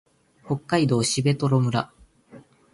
北海道蘂取村